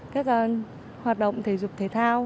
các hoạt động thể dục thể thao